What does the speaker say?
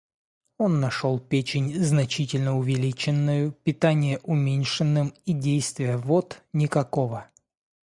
Он нашел печень значительно увеличенною, питание уменьшенным и действия вод никакого.